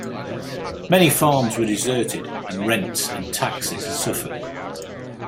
Many farms were deserted and rents and taxes suffered.